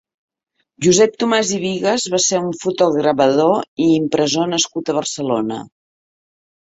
Josep Thomas i Bigas va ser un fotogravador i impressor nascut a Barcelona.